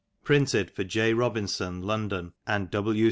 Printed for J. Robinson, London, and W.